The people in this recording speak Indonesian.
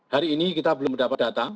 hari ini kita belum mendapat data